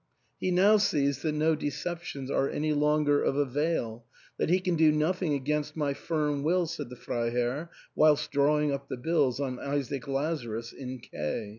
" He now sees that no de ceptions are any longer of avail, that he can do noth ing against my firm will," said the Freiherr whilst drawing up the bills on Isaac Lazarus in K